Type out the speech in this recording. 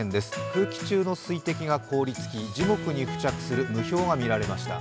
空気中の水滴が凍りつき樹木に付着する霧氷が見られました。